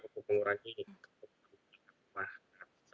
untuk mengurangi kebutuhan mereka